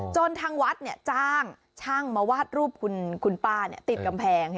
จนทางวัดเนี่ยจ้างช่างมาวาดรูปคุณป้าเนี่ยติดกำแพง